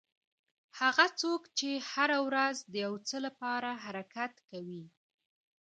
هغه څوک چې هره ورځ د یو څه لپاره حرکت کوي.